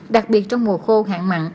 đặc biệt trong mùa khô hạn mặn